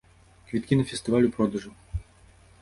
Квіткі на фестываль у продажы.